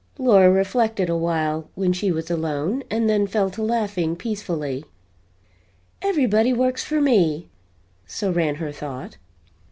Laura reflected a while, when she was alone, and then fell to laughing, peacefully. "Everybody works for me," so ran her thought.